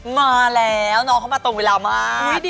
มาแล้วน้องเขามาตรงเวลามาก